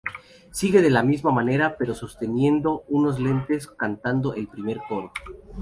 Sigue de la misma manera, pero sosteniendo unos lentes cantando el primer coro.